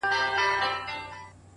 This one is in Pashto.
خو موږ د ګټي کار کي سراسر تاوان کړی دی;